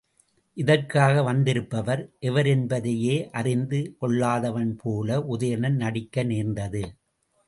இதற்காக வந்திருப்பவர் எவரென்பதையே அறிந்து கொள்ளாதவன்போல உதயணன் நடிக்க நேர்ந்தது.